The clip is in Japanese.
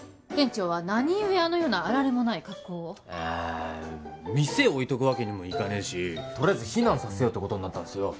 店長は何故あのようなあられもない格好をあ店置いとくわけにもいかねえしとりあえず避難させようってことになったんす